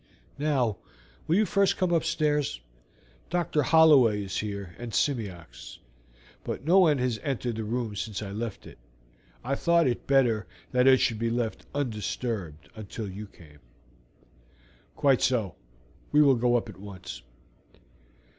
Now, will you first come upstairs? Doctor Holloway is here and Simeox, but no one has entered the room since I left it; I thought it better that it should be left undisturbed until you came." "Quite so; we will go up at once."